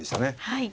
はい。